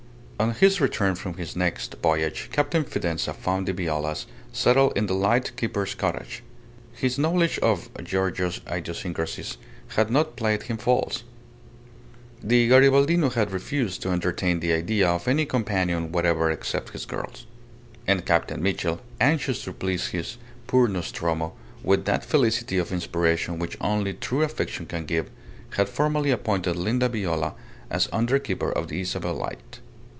On his return from his next voyage, Captain Fidanza found the Violas settled in the light keeper's cottage. His knowledge of Giorgio's idiosyncrasies had not played him false. The Garibaldino had refused to entertain the idea of any companion whatever, except his girls. And Captain Mitchell, anxious to please his poor Nostromo, with that felicity of inspiration which only true affection can give, had formally appointed Linda Viola as under keeper of the Isabel's Light.